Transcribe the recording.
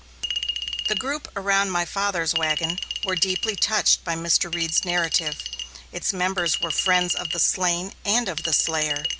The group around my father's wagon were deeply touched by Mr. Reed's narrative. Its members were friends of the slain and of the slayer.